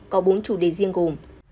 có bốn chủ đề riêng gồm